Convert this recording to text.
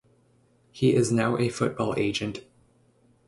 He is now a football agent.